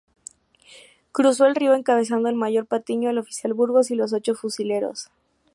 Cruzó el río encabezando al mayor Patiño, el oficial Burgos y los ocho fusileros.